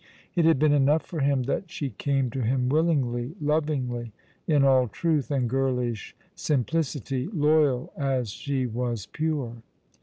It had been enough for him that she came to him willingly, lovingly, in all truth and girlish simplicity, loyal as she was pure.